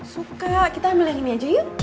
suka kita ambil yang ini aja ya